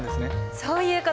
そういうこと。